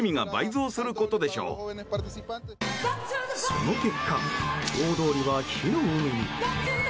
その結果、大通りは火の海に。